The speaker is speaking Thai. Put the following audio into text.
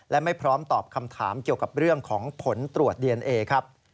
และไม่พร้อมตอบคำถามเกี่ยวกับเรื่องของผลตรวจดีเอนเอครับ